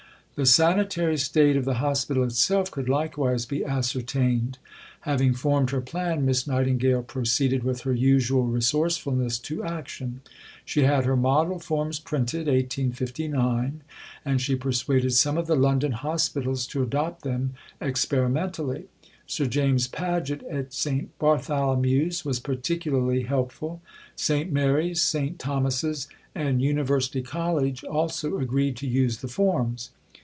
The sanitary state of the hospital itself could likewise be ascertained." Having formed her plan, Miss Nightingale proceeded with her usual resourcefulness to action. She had her Model Forms printed (1859), and she persuaded some of the London hospitals to adopt them experimentally. Sir James Paget at St. Bartholomew's was particularly helpful; St. Mary's, St. Thomas's, and University College also agreed to use the Forms.